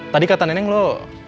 tadi kata neneng lo